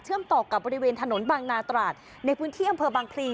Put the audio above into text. ต่อกับบริเวณถนนบางนาตราดในพื้นที่อำเภอบางพลี